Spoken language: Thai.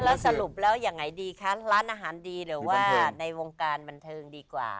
แล้วสรุปแล้วยังไงดีคะร้านอาหารดีหรือว่าในวงการบันเทิงดีกว่า